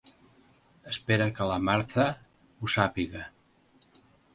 Espera que la Martha ho sàpiga.